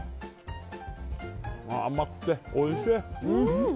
甘くておいしい！